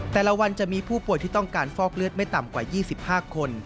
แต่ละวันจะมีผู้ป่วยที่ต้องการฟอกเลือดไม่ต่ำกว่า๒๕คน